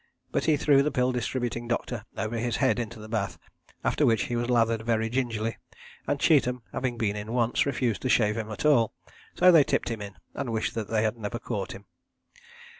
But he threw the pill distributing doctor over his head into the bath, after which he was lathered very gingerly, and Cheetham having been in once, refused to shave him at all, so they tipped him in and wished they had never caught him.